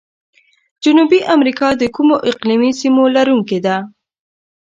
جنوبي امریکا د کومو اقلیمي سیمو لرونکي ده؟